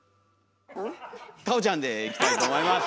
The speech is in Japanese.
太鳳ちゃんでいきたいと思います！